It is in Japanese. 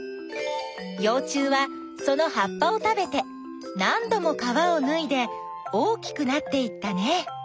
よう虫はそのはっぱを食べてなんども皮をぬいで大きくなっていったね。